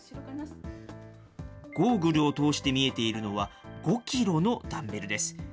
ゴーグルを通して見えているのは５キロのダンベルです。